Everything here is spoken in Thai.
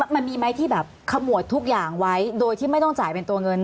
มันมีไหมที่แบบขมวดทุกอย่างไว้โดยที่ไม่ต้องจ่ายเป็นตัวเงิน